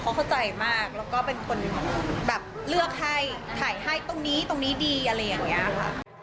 เขาเข้าใจมากแล้วก็เป็นคนแบบเลือกให้ถ่ายให้ตรงนี้ตรงนี้ดีอะไรอย่างนี้ค่ะ